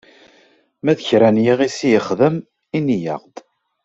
Ma d kra n yiɣisi i yexdem, ini-aɣ-d!